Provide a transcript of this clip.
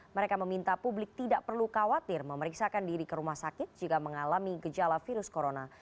mereka meminta publik tidak perlu khawatir memeriksakan diri ke rumah sakit jika mengalami gejala virus corona